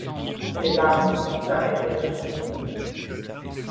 Ses larmes s’arrêtèrent subitement.